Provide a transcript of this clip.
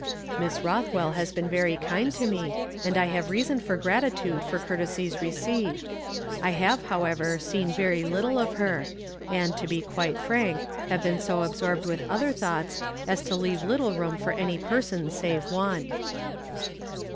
" Mis Rothwell has been very kind to me, and I have reason for gratitude for courtesies received. I have, however, seen very little of her, and, to be quite frank, Jiave been so absorbed with other tiioughts as to leave little room for any pei son save one."